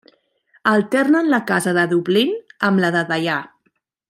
Alternen la casa de Dublín amb la de Deià.